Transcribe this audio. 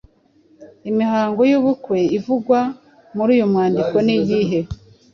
Imihango y’ubukwe ivugwa muri uyu mwandiko ni iyihe?